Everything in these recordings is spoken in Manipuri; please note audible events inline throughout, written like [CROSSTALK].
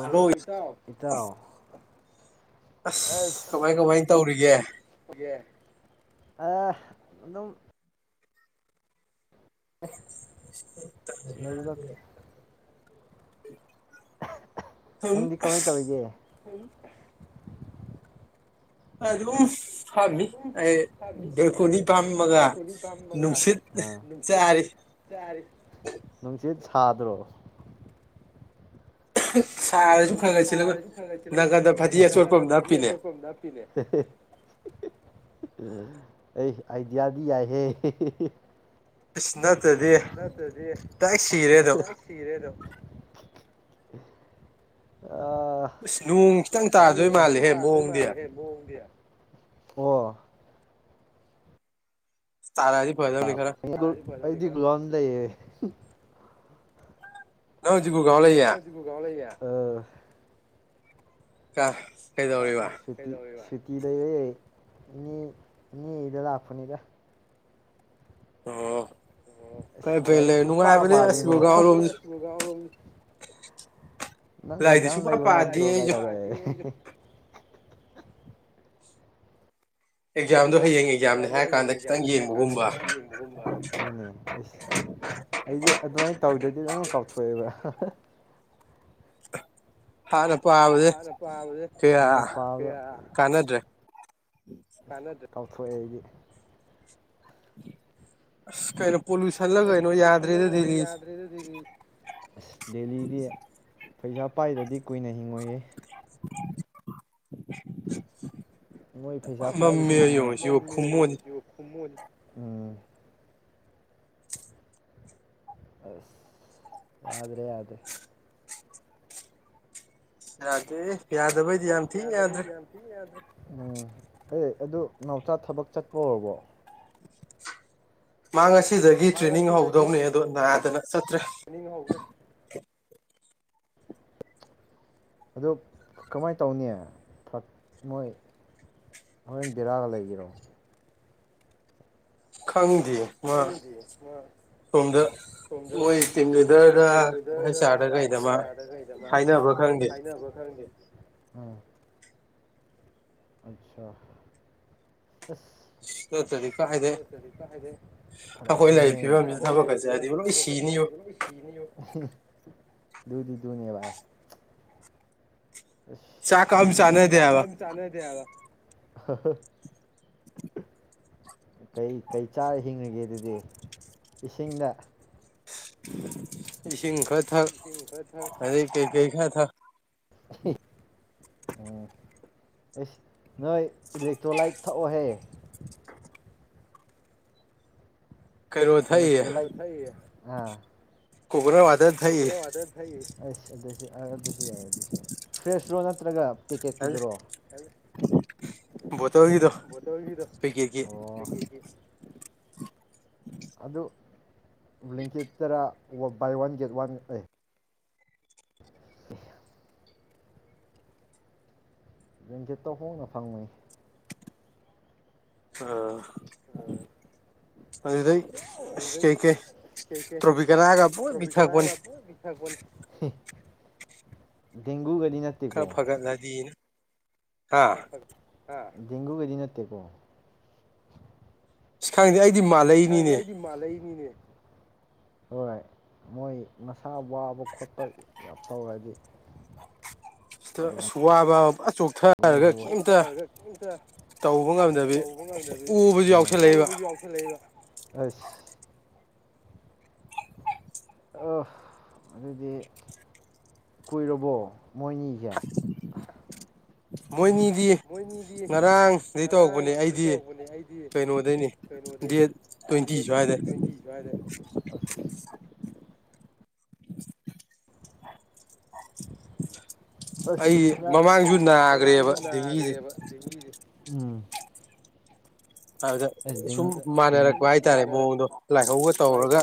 ꯍꯜꯂꯣ ꯑꯁ ꯀꯃꯥꯏ ꯀꯃꯥꯏ ꯇꯧꯔꯤꯒꯦ ꯑꯥ ꯑꯗꯨꯝ ꯑꯦ [INAUDIBLE] [INAUDIBLE] [INAUDIBLE] ꯅꯪꯗꯤ ꯀꯃꯥꯏ ꯇꯧꯔꯤꯒꯦ [INAUDIBLE] ꯑꯗꯨꯝ ꯐꯥꯝꯃꯤ ꯑꯩ ꯕꯦꯜꯀꯣꯅꯤ ꯄꯥꯝꯃꯒ ꯅꯨꯡꯁꯤꯠ ꯆꯥꯔꯤ ꯊꯥꯗ꯭ꯔꯣ ꯁꯥꯔꯁꯨ [INAUDIBLE] ꯅꯡꯒꯟꯗ ꯐꯗꯤ ꯑꯆꯣꯠꯄ ꯑꯃ ꯅꯞꯄꯤꯅꯦ ꯑꯩ ꯑꯥꯏꯗꯤꯌꯥꯗꯤ ꯌꯥꯏꯍꯦ ꯅꯥꯠꯇꯔꯥꯗꯤ ꯁꯤꯔꯦ ꯑꯗꯨꯝ [INAUDIBLE] ꯑꯁ ꯅꯣꯡ ꯈꯤꯇꯪ ꯇꯥꯗꯣꯏ ꯃꯥꯜꯂꯦꯍꯦ ꯃꯑꯣꯡꯗꯤ ꯑꯣ [INAUDIBLE] ꯂꯩꯌꯦ ꯎꯝ [INAUDIBLE] ꯅꯡ ꯉꯁꯤ ꯄꯣꯔꯒꯔꯝ ꯑꯃꯥ ꯂꯩꯌꯦ [INAUDIBLE] [INAUDIBLE] [INAUDIBLE] [INAUDIBLE] [INAUDIBLE] ꯃꯤꯒꯤꯗꯥ ꯂꯛꯄꯅꯤꯗ ꯑꯣ ꯂꯥꯏꯔꯤꯛ ꯁꯨꯛꯄꯥ ꯄꯥꯗꯦꯉꯣ ꯅꯪ ꯑꯦꯛꯖꯥꯝ ꯂꯩꯕꯥ ꯅꯇꯔꯣꯒꯥ ꯇꯧꯔꯛꯏ ꯑꯦꯛꯖꯝ ꯑꯦꯛꯖꯥꯝꯗꯣ ꯍꯌꯦꯡ ꯑꯦꯛꯖꯥꯝꯅꯦ ꯍꯥꯏꯔ ꯀꯥꯟꯗ ꯈꯤꯇꯪ ꯌꯦꯡꯕꯒꯨꯝꯕ ꯑꯗꯨꯅꯦ ꯑꯩꯗꯤ ꯑꯗꯨꯃ ꯇꯧꯗ꯭ꯔꯗꯤ ꯂꯣꯏꯅ ꯀꯥꯎꯊꯣꯛꯑꯦꯕ ꯍ ꯍꯅ ꯄꯕꯗ ꯍꯅ ꯄ ꯀꯟꯅꯗꯔ꯭ꯦ ꯀꯥꯎꯊꯣꯛꯑꯦ ꯑꯩꯗꯤ ꯑꯁ ꯀꯩꯩꯅ ꯀꯩꯅꯣ ꯄꯨꯣꯟꯁꯜꯂꯒ ꯀꯩꯅꯣ ꯌꯥꯗ꯭ꯔꯦꯗꯗꯤꯜꯂꯤꯁꯤ ꯑꯁ ꯗꯦꯜꯂꯤꯗꯤ ꯄꯩꯁꯥ ꯄꯥꯏꯗꯗꯤ ꯀꯨꯏꯅ ꯍꯤꯡꯉꯣꯏꯌꯦ [INAUDIBLE] ꯃꯣꯏ ꯄꯩꯁꯥ ꯄꯥꯏꯕꯁꯤꯡꯅꯦ ꯎꯝ ꯑ ꯌꯥꯗ꯭ꯔꯦ ꯌꯥꯗꯦ [INAUDIBLE] ꯦ ꯌꯥꯗꯕꯩꯗꯤ ꯌꯥꯝꯁꯤ ꯌꯥꯗꯦ ꯑꯗꯨ ꯉꯅꯥꯎꯆꯥ ꯊꯕꯛ ꯆꯠꯄ ꯑꯣꯏꯔꯕꯣ ꯃꯥꯥꯡꯉꯁ ꯁꯤꯗꯒꯤ ꯇ꯭ꯔꯦꯅꯤꯡ ꯍꯧꯗꯧꯅꯦ ꯑꯗꯣ ꯅꯍꯥꯟ ꯁꯠꯇ꯭ꯔꯥ ꯑꯗꯨ ꯀꯃꯥꯏ ꯇꯧꯅꯤ ꯅꯣꯏ ꯍꯣꯔꯦꯟ ꯕꯦꯔꯥꯒ ꯂꯩꯒꯔꯣ ꯈꯪꯉ ꯈꯪꯗꯦ ꯃꯥ ꯑ ꯁꯣꯝꯗ ꯃꯣꯏ ꯇꯤꯝ ꯂꯤꯗꯔꯗ ꯑꯩꯆꯥꯥꯔꯗ ꯀꯩꯗ ꯃꯥ ꯍꯥꯏꯅꯕ ꯈꯪꯗꯦ ꯎꯝ ꯑꯆꯥ ꯑꯁ ꯍꯥꯏꯗꯤꯦ ꯐꯔ ꯑꯩꯈꯣꯏ ꯂꯩꯇꯔꯣ ꯊꯕꯛ ꯍꯥꯏꯔꯣ ꯑꯩꯈꯣꯏ ꯁꯤꯅꯤꯌꯣ ꯗꯨꯗꯤꯗꯨꯨꯅꯦꯕꯏ ꯆ ꯀꯝ ꯆꯅꯗꯕ [INAUDIBLE] ꯀꯩ ꯀꯩ ꯆꯥꯔ ꯍꯤꯡꯉꯒꯦ ꯑꯗꯨꯗꯤ ꯏꯁꯤꯡꯗ ꯏꯁꯤꯡ ꯈ ꯊ ꯀꯔꯤ ꯀꯩ ꯀꯩ ꯈ ꯑ ꯎ ꯑꯦꯁ ꯅꯣꯏ ꯏꯂꯦꯛꯇ꯭ꯔꯣꯂꯥꯏꯠ ꯊꯛꯑꯣꯍꯦ ꯏ ꯇꯂꯥꯏ ꯊ ꯐꯒ꯭ꯔ ꯋꯥꯗ ꯊ ꯑ ꯑꯗꯨꯁꯨ ꯑꯗꯨꯁꯨ ꯌꯥꯏ ꯑꯗꯨꯁꯨ ꯌꯥꯏ ꯐ꯭ꯔꯦꯁ ꯔꯣ ꯅꯠꯇ꯭ꯔꯒ ꯄꯀꯦꯠꯀꯤꯗꯨꯔꯣ ꯑꯗꯨ ꯂꯤꯡꯀꯦꯠ ꯇꯔꯥ ꯕꯥꯏ ꯋꯥꯟ ꯒꯦꯠ ꯋꯥꯟ ꯑꯦ ꯦꯡꯀꯦꯠꯇ ꯍꯣꯡꯅ ꯐꯪꯕꯅꯤ ꯑꯥ ꯑꯗꯨꯗꯩ ꯀꯩꯀꯩ ꯇ꯭ꯔꯣꯐꯤꯛ ꯀꯅꯥꯑꯒ ꯄꯨ ꯄꯤꯊꯛꯄꯅꯤ ꯍꯨꯝ ꯗꯤꯡ ꯄꯨꯕꯗꯤ ꯅꯥꯇꯦꯀꯣ ꯐ ꯍꯥ ꯗꯦꯡꯒꯨꯒꯗꯤ ꯅꯠꯇꯀꯣ ꯈꯥ ꯑꯩ ꯈꯪꯗꯦꯗꯥ ꯑꯩꯗꯤ ꯃꯥꯂꯩꯅꯤꯅꯦ ꯍꯣꯏ ꯃꯣꯏ ꯃꯁꯥ ꯋꯥꯕ ꯈꯣꯠꯄ ꯌꯥꯝ ꯇꯧꯔꯗꯤ ꯁꯤ ꯁꯋꯥꯕꯕꯨ ꯆꯣꯛꯊꯥ ꯀꯣꯛꯊꯔꯒ ꯀꯝꯇ ꯇꯧꯕ ꯉꯝꯗꯕꯤ ꯑ ꯎꯕꯁꯨ ꯌꯥꯎꯁꯜꯂꯛꯏꯕ ꯑꯁ ꯑ ꯑꯗꯨꯗꯤ ꯀꯨꯏꯔꯕꯣ ꯃꯣꯏꯅꯤꯁꯦ ꯃꯣꯏꯅꯤꯗꯤ ꯉꯔꯥꯡ ꯁꯤꯗꯩ ꯇꯧꯕꯅꯦ ꯑꯩꯗꯤ ꯀꯩꯅꯣꯗꯩꯅꯤ ꯗꯦꯠ ꯇ꯭ꯋꯦꯟꯇꯤ ꯁ꯭ꯋꯥꯏꯗ ꯑꯁ ꯑꯁ ꯈꯔ ꯑꯩ ꯃꯃꯥꯡꯁꯨ ꯅꯥꯈ꯭ꯔꯦꯕ ꯁꯦ ꯎꯝ ꯑꯗꯨꯗ ꯁꯨꯝ ꯃꯥꯟꯅꯔꯛꯄ ꯍꯥꯏꯇꯥꯔꯦ ꯃꯑꯣꯡꯗꯣ ꯂꯥꯏꯍꯧꯒ ꯇꯧꯔꯒ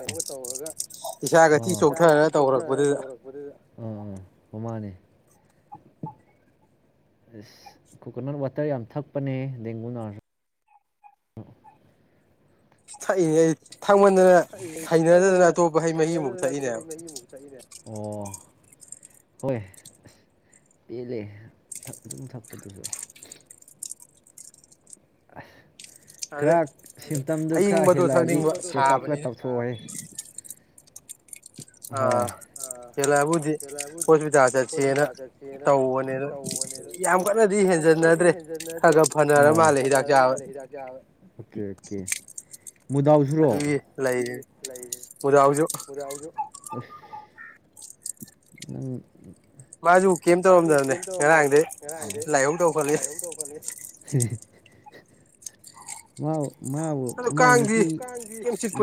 ꯏꯁꯥꯒ ꯊꯤ ꯆꯣꯛꯊꯔꯒ ꯇꯧꯔꯛꯄꯗꯨꯗ ꯑꯥ ꯑꯥ ꯃꯃꯥꯅꯦ ꯑꯁ ꯀꯣꯀꯣꯅꯠ ꯋꯥꯇꯔ ꯌꯥꯝ ꯊꯛꯄꯅꯦ ꯗꯦꯡꯒꯨ ꯅꯥꯔꯁꯨ ꯊꯛꯢꯅꯦ ꯑꯩꯒꯦ ꯊꯥꯡꯃꯟꯗꯅ ꯍꯩꯅꯗꯗꯅ ꯑꯇꯣꯞꯄ ꯍꯩ ꯃꯍꯤ ꯑꯃꯨꯛ ꯊꯛꯏꯅꯦꯕ ꯑꯣ ꯍꯣꯏ ꯑꯁ ꯄꯦꯜꯂꯦ ꯊꯛꯈꯨꯗꯤꯡ ꯊꯛꯈꯨꯗꯤꯝ ꯊꯛꯄꯗꯨꯁꯨ ꯑꯁ ꯈꯔ ꯁꯤꯝꯇꯝꯗꯨ ꯈꯔ ꯍꯦꯜꯂꯛꯑꯗꯤ ꯆꯦꯛꯑꯞꯀ ꯇꯧꯊꯣꯛꯑꯣꯦ ꯍꯣꯏ ꯑꯥꯂꯥꯕꯨꯗꯤ ꯍꯣꯁꯄꯤꯇꯥꯜ ꯆꯠꯁꯦꯅ ꯇꯧꯕꯅꯦꯅ ꯌꯥꯝ ꯀꯟꯅꯗꯤ ꯍꯦꯟꯖꯟꯅꯗ꯭ꯔꯦ ꯐꯅꯔ ꯃꯥꯜꯂꯦ ꯍꯤꯗꯥꯛ ꯆꯥꯕ ꯑꯣꯀꯦ ꯑꯣꯀꯦ ꯑꯗꯨꯒꯤ ꯂꯩꯔ ꯄꯨꯗꯥꯎꯖꯣ ꯎꯝ ꯃꯥꯁꯨ ꯀꯩꯝ ꯇꯧꯔꯝꯗꯕꯅꯦ ꯉꯔꯥꯡꯗꯤ ꯂꯥꯏꯍꯧ ꯇꯧ ꯈꯠꯂꯤ ꯍꯦ ꯃꯥꯑꯣ ꯃꯥꯕꯨ ꯃꯥꯏ ꯅꯨꯄꯤ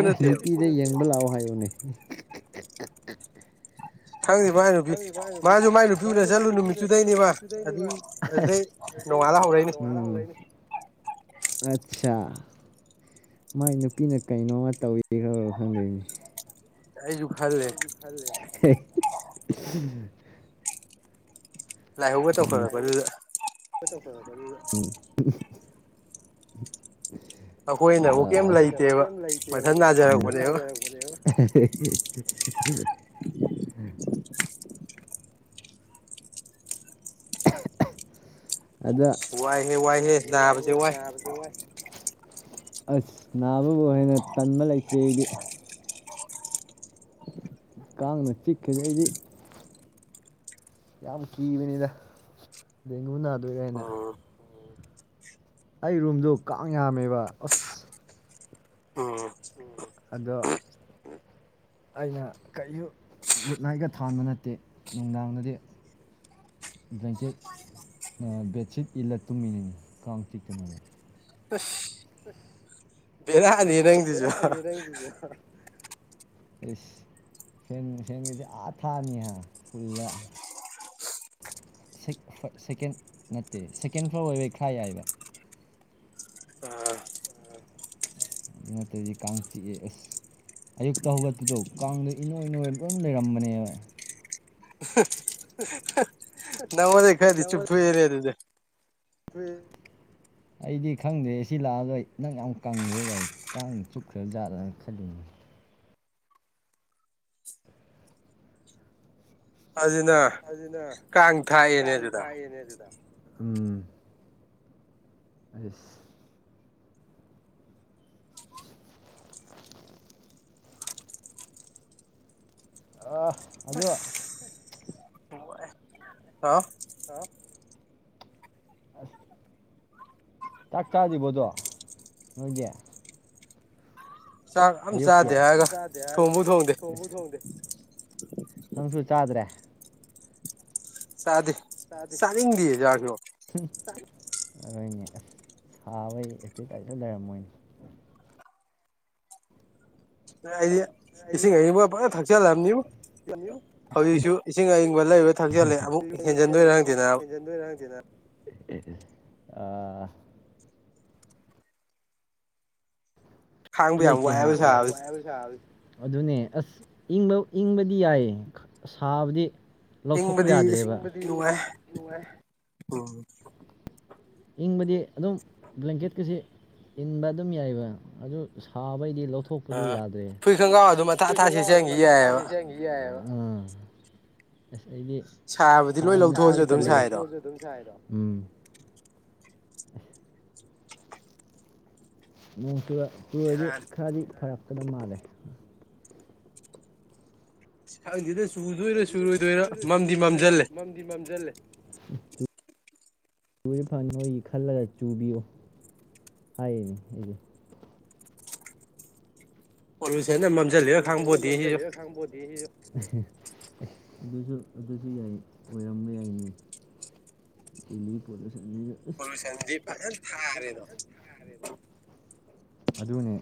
ꯃꯥꯏ ꯅꯨꯄꯤꯗ ꯌꯦꯡꯕ ꯂꯥꯛꯑꯣ ꯍꯥꯏꯕꯅꯦ ꯎ ꯈꯪꯗꯦ ꯃꯥꯏ ꯅꯨꯄꯤ ꯃꯥꯁꯨ ꯃꯥꯏ ꯅꯨꯄꯤ ꯑꯣꯏꯅꯅ ꯆꯠꯂꯨ ꯅꯨꯃꯤꯠꯇꯨꯗꯩꯅꯦꯕ ꯑꯗꯨ ꯑꯗꯨꯗꯩ ꯅꯣꯡꯉꯥꯜꯂ ꯍꯧꯔꯛꯏꯅꯦ ꯑꯠꯆꯥ ꯃꯥꯏ ꯅꯨꯄꯤꯅ ꯀꯩꯅꯣꯝꯃ ꯇꯧꯋꯤꯈꯔꯣ ꯈꯪꯗꯣꯏꯅꯤ ꯑꯩꯁꯨ ꯈꯜꯦ [INAUDIBLE] ꯂꯥꯏꯍꯧꯒ ꯇꯧꯈꯥꯠꯂꯛꯄꯗꯨꯗ ꯎꯝ ꯑꯩꯈꯣꯏꯅꯕꯨ ꯀꯩꯝ ꯂꯩꯇꯦꯕ ꯃꯊꯟ ꯅꯥꯖꯔꯛꯄꯅꯦꯕ [UNINTELLIGIBLE] [UNINTELLIGIBLE] ꯋꯥꯏꯍꯦ ꯋꯥꯏꯍꯦ ꯅꯥꯕꯁꯦ ꯋꯥꯏ ꯑꯁ ꯅꯥꯕꯕꯨ ꯍꯦꯟꯅ ꯇꯟꯕ ꯂꯩꯇ꯭ꯔꯤ ꯑꯩꯗꯤ ꯀꯥꯡꯅ ꯆꯤꯛꯈꯤꯗ ꯑꯩꯗꯤ ꯌꯥꯝ ꯀꯤꯕꯅꯤꯗ ꯗꯦꯡꯒꯨ ꯅꯥꯗꯣꯏꯔꯟ ꯑꯩ ꯔꯨꯝꯗꯣ ꯀꯥꯡ ꯌꯥꯝꯃꯦꯕ ꯑꯁ ꯑꯗꯣ ꯑꯩꯅ ꯀꯩꯁꯨ ꯒꯨꯠ ꯅꯥꯏꯠꯀ ꯊꯥꯟꯕ ꯅꯠꯇꯦ ꯅꯨꯡꯗꯥꯡꯗꯗꯤ ꯕ꯭ꯂꯦꯡꯀꯦꯠ ꯕꯦꯠꯁꯤꯠ ꯏꯜꯂ ꯇꯨꯝꯃꯤꯅꯤꯅꯤ ꯀꯥꯡ ꯆꯤꯛꯇꯅꯕ ꯑꯁ ꯕꯦꯔꯥ ꯆꯗꯦꯍꯦ ꯅꯥꯪꯏꯗꯨꯁꯨ [UNINTELLIGIBLE] ꯑꯊꯥꯅꯤ ꯍꯥꯏ ꯐꯜꯂ ꯁꯦꯀꯦꯟ ꯅꯠꯇꯦ ꯁꯦꯀꯦꯟ ꯐ꯭ꯂꯣꯔ ꯑꯣꯏꯕꯩ ꯈꯔ ꯌꯥꯏꯕ ꯑꯁ ꯑꯗꯨ ꯅꯠꯇ꯭ꯔꯗꯤ ꯀꯥꯡ ꯊꯤꯛꯑꯦ ꯑꯁ ꯑꯌꯨꯛꯇ ꯍꯧꯒꯠꯄꯗꯣ ꯀꯥꯡꯗꯣ ꯏꯅꯣꯏꯅꯣꯏ ꯑꯗꯨꯝ ꯂꯩꯔꯝꯕꯅꯦꯕ ꯑ ꯅꯥꯉꯣꯟꯗꯩꯩ ꯈꯔꯗꯤ ꯆꯨꯞꯊꯣꯛꯑꯅꯦ ꯑꯗꯨꯗꯤ ꯑꯩꯗꯤ ꯈꯪꯗ꯭ꯔꯦ ꯁꯤ ꯂꯥꯛꯑꯔꯣꯏ ꯅꯪ ꯌꯥꯝ ꯀꯪꯈ꯭ꯔꯦꯒꯥꯏ ꯀꯥꯡ ꯆꯨꯞꯈ꯭ꯔ ꯖꯥꯠꯂꯅ ꯈꯜꯂꯤ ꯑꯗꯨꯅ ꯀꯥꯡ ꯊꯥꯛꯑꯦꯅꯦ ꯑꯗꯨꯗ ꯎꯝ ꯑꯁ ꯑ ꯑꯗꯨ ꯍꯥꯎ ꯑꯁ ꯆꯥꯛ ꯆꯥꯗ꯭ꯔꯤꯕꯣꯗꯣ ꯅꯣꯏꯗꯤ ꯆꯥꯛ ꯌꯥꯝ ꯆꯥꯗꯦ ꯍꯥꯏꯔꯒ ꯊꯣꯡꯕꯨ ꯊꯣꯡꯗꯦ ꯅꯪꯁꯨ ꯆꯥꯗ꯭ꯔꯦ ꯆꯥꯗꯦ ꯆꯥꯅꯤꯡꯗꯤꯌꯦ ꯆꯥꯛꯁꯨ ꯑꯗꯨꯣꯏꯅꯦ ꯑꯁ ꯁꯥꯕꯒꯤ ꯑꯦꯐꯔꯇꯥꯏꯔ ꯂꯩꯔꯝꯃꯣꯏꯅꯤ ꯑꯩꯗꯤ ꯏꯁꯤꯡ ꯑꯅꯤꯃ ꯄꯥꯪꯊꯛ ꯊꯛꯆꯜꯂꯕꯅꯤꯕꯨ ꯍꯧꯖꯤꯛꯁꯨ ꯏꯁꯤꯡ ꯑꯌꯤꯪ [UNINTELLIGIBLE] ꯑꯃꯨꯛ ꯍꯦꯟꯖꯤꯟꯗꯣꯏꯔ ꯍꯪꯗꯦ ꯅꯥꯕꯥ ꯑꯥ ꯂꯩꯇ ꯈꯪꯕ ꯌꯥꯝ ꯋꯥꯌꯦꯟ ꯁꯥꯕꯁꯤ ꯑꯗꯨꯅꯦ ꯑꯁ ꯏꯪꯕ ꯏꯪꯕꯗꯤ ꯌꯥꯏꯌꯦ ꯁꯥꯕꯗꯤ ꯂꯧꯊꯣꯛꯄ ꯌꯥꯗ꯭ꯔꯦꯕ ꯏ ꯅꯨꯪꯉꯥꯏ ꯎꯝ ꯏꯪꯕꯗꯤ ꯑꯗꯨꯝ ꯕ꯭ꯂꯦꯡꯀꯦꯠꯀꯁꯤ ꯏꯟꯕ ꯑꯗꯨꯝ ꯌꯥꯏꯑꯕ ꯑꯗꯨ ꯁꯥꯕ ꯃꯩꯗꯤ ꯂꯧꯊꯣꯛꯄꯗꯨ ꯌꯥꯗ꯭ꯔꯦ ꯐꯨꯏ ꯈꯣꯡꯒ꯭ꯔꯥꯎ ꯑꯗꯨ ꯑꯊꯥ ꯑꯊꯥꯁꯤ ꯆꯦꯟꯈꯤ ꯌꯥꯏꯑꯕ ꯎꯥꯝ ꯑꯩꯗꯤ ꯁꯥ ꯅꯛꯇ ꯂꯨꯔꯗꯤ ꯈꯔꯗꯤ ꯐꯔꯛ ꯀꯗ ꯃꯥꯅꯦ ꯈꯪꯗꯦꯗꯁꯨ ꯈꯪꯗꯦꯅꯦ ꯆꯨꯗꯣꯏꯔ ꯆꯨꯔꯣꯏꯗꯣꯏꯔ ꯃꯨꯝꯗꯤ ꯃꯨꯝꯖꯜꯂꯦ [UNINTELLIGIBLE] ꯆꯨ [INAUDIBLE] ꯆꯨꯗꯤ ꯐꯅꯤ ꯅꯣꯏꯒꯤ ꯈꯜꯂꯒ ꯆꯨꯕꯤꯌꯣ ꯍꯥꯏꯌꯦꯅꯦ ꯑꯩꯁꯦ ꯑꯣꯜꯋꯦꯁ ꯍꯦꯟꯅ ꯃꯨꯝꯖꯤꯜꯂꯤꯂꯥ ꯈꯥꯡꯄꯣꯠꯇꯦ ꯁꯤꯁꯨ ꯑꯥꯍꯦ ꯑꯁ ꯑꯗꯨꯁꯨ ꯑꯗꯨꯁꯨ ꯌꯥꯏ ꯑꯣꯏꯔꯝꯕ ꯌꯥꯏꯅꯦ ꯗꯦꯜꯂꯤ ꯄꯣꯠꯂꯨꯁꯟꯁꯤꯁꯨ ꯑꯨꯝ ꯄꯣꯂꯨꯁꯟꯗꯤꯞ ꯄꯣꯂꯨꯁꯟꯗꯤ ꯐꯥꯖꯟ ꯊꯥꯔꯦꯗꯣ ꯑꯗꯨꯅꯦ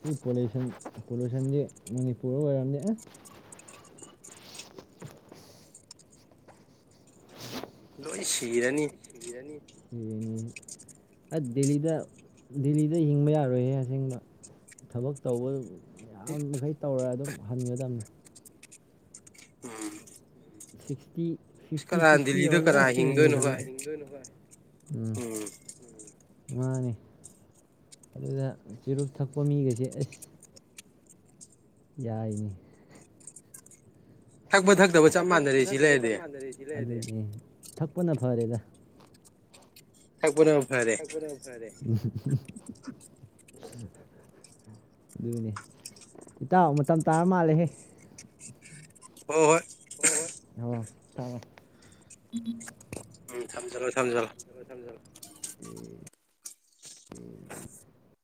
ꯁꯤ ꯄꯣꯂꯨꯁꯟ ꯄꯣꯂꯨꯁꯟꯗꯤ ꯃꯅꯤꯄꯨꯔꯗ ꯑꯣꯏꯔꯝꯗꯤ ꯑꯦ ꯂꯣꯏ ꯁꯤꯔꯅꯤ ꯁꯤꯔꯅꯤ ꯁꯤꯔꯅꯤ ꯑꯠ ꯗꯦꯜꯂꯤꯗ ꯗꯦꯜꯂꯤꯗ ꯍꯤꯡꯕ ꯌꯥꯔꯣꯏꯍꯦ ꯑꯁꯦꯡꯕ ꯊꯕꯛ ꯇꯧꯕ ꯌꯥꯝꯃꯈꯩ ꯇꯧꯔꯥ ꯑꯗꯨꯝ ꯍꯟꯒꯗꯝꯕꯅꯦ ꯎꯝ ꯁꯤꯛꯁ꯭ꯇꯤ ꯐꯤꯐꯇꯤ ꯁꯤꯛꯁ꯭ꯇꯤ ꯌꯧꯔꯥ ꯂꯣꯢ ꯁꯤꯔꯅꯤ ꯁꯤꯗꯤ [UNINTELLIGIBLE] ꯀꯅꯥ ꯍꯤꯡꯗꯣꯏꯅꯣ ꯎꯝ ꯎꯝ ꯃꯥꯅꯦ ꯑꯗꯨꯗ ꯆꯨꯔꯨꯞ ꯊꯛꯄꯥ ꯃꯤꯒꯁꯦ ꯑꯁ ꯌꯥꯏꯅꯦ [UNINTELLIGIBLE] ꯊꯥꯛꯄ ꯊꯥꯛꯇꯕ ꯆꯞ ꯃꯥꯟꯅꯔꯦ ꯁꯤ ꯂꯩꯔꯗꯤ꯫ ꯑꯦ ꯊꯥꯛꯄꯅ ꯐꯥꯔꯦꯗ ꯊꯥꯛꯄꯅ ꯊꯥꯛꯄꯅꯥ ꯐꯔꯦ ꯎꯝꯍꯨꯝ [UNINTELLIGIBLE] [UNINTELLIGIBLE] ꯑꯗꯨꯅꯦ ꯏꯇꯥꯎ ꯃꯇꯝ ꯇꯥꯔ ꯃꯥꯜꯂꯦꯍꯦ ꯍꯣ ꯍꯣꯏ ꯍꯣ ꯍꯣꯏ ꯍꯣꯏ ꯊꯝꯃꯦ [UNINTELLIGIBLE] ꯆꯠꯂꯣ ꯊꯝꯖꯜꯂꯣ [UNINTELLIGIBLE]